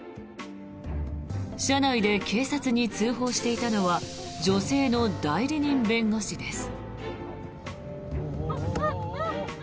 車内で警察に通報していたのは女性の代理人弁護士です。